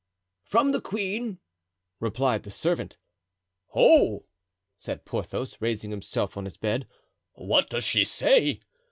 "From the queen," replied the servant. "Ho!" said Porthos, raising himself in his bed; "what does she say?"